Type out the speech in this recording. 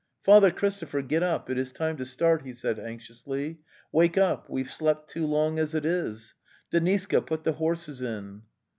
'Father Christopher, get up; it is time to start," he said anxiously. '*' Wake up; we've slept too long as it is! Deniska, put the horses in."